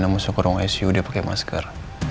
yang masuk ke ruang su dia pakai masker